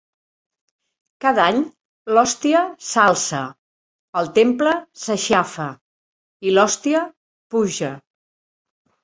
Cada any l’hòstia s'alça, el temple s'aixafa i l’hòstia puja...